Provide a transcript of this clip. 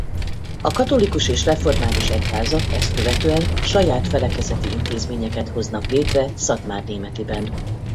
A katolikus és református egyházak ezt követően saját felekezeti intézményeket hoznak létre Szatmárnémetiben.